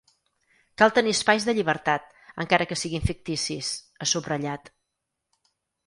Cal tenir espais de llibertat, encara que siguin ficticis, ha subratllat.